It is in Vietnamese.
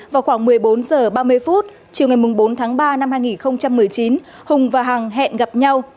vào khoảng một mươi bốn h ba mươi chiều ngày bốn tháng ba năm hai nghìn một mươi chín hùng và hằng hẹn gặp nhau